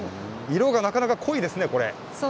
色がなかなか濃いですね。